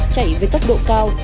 chạy với tốc độ cao